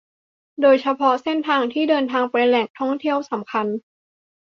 โดยเฉพาะเส้นทางที่เดินทางไปแหล่งท่องเที่ยวสำคัญ